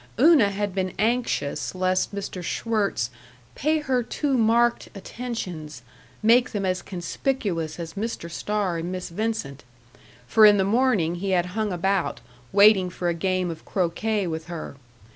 Una had been anxious lest Mr. Schwirtz "pay her too marked attentions; make them as conspicuous as Mr. Starr and Miss Vincent"; for in the morning he had hung about, waiting for a game of croquet with her.